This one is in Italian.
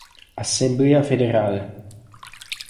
Assemblea federale